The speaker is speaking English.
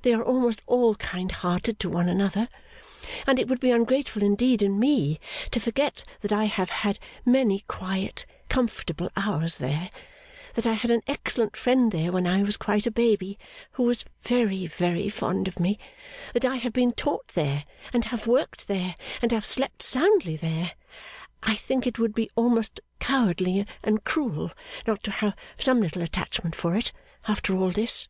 They are almost all kind hearted to one another. And it would be ungrateful indeed in me, to forget that I have had many quiet, comfortable hours there; that I had an excellent friend there when I was quite a baby, who was very very fond of me; that I have been taught there, and have worked there, and have slept soundly there. I think it would be almost cowardly and cruel not to have some little attachment for it, after all this.